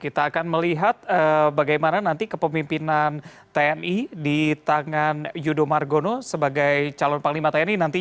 kita akan melihat bagaimana nanti kepemimpinan tni di tangan yudho margono sebagai calon panglima tni nanti